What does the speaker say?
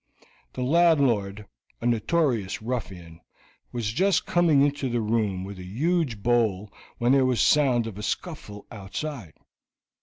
The landlord, a notorious ruffian, was just coming into the room with a huge bowl when there was the sound of a scuffle outside.